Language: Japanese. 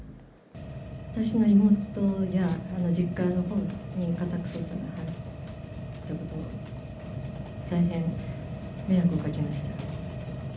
私の妹や実家のほうに家宅捜索が入ったこと、大変迷惑をかけました。